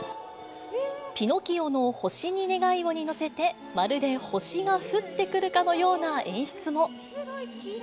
ピノキオの星に願いをに乗せて、まるで星が降ってくるかのような演出も。